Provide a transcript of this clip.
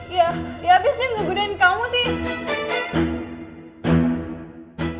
ya ya abisnya gak gunain kamu sih